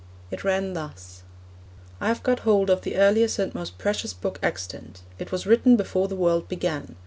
It ran thus: 'I have got hold of the earliest and most precious book extant. It was written before the world began.